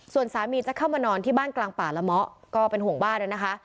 ส่วนสามีจะเข้ามานอนที่บ้านกลางป่าละเมาะก็เป็นห่วงบ้านแล้วนะคะ